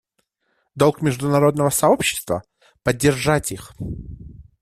Долг международного сообщества — поддержать их.